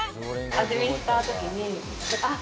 味見したときに、あっ！